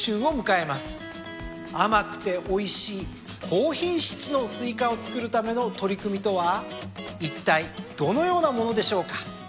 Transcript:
甘くておいしい高品質のスイカを作るための取り組みとはいったいどのようなものでしょうか。